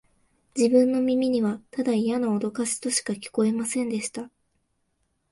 自分の耳には、ただイヤなおどかしとしか聞こえませんでした